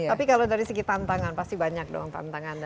tapi kalau dari segi tantangan pasti banyak dong tantangan